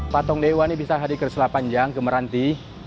patung dewa ini bisa hadir di selat panjang ke meranti